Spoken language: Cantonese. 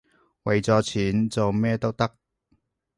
為咗錢，做乜都得